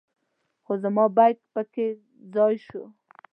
خو زما بیک په کې ځای شو.